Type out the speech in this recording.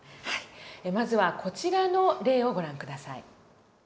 まずはこちらの例をご覧下さい。